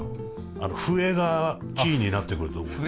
あの笛がキーになってくると思うよ。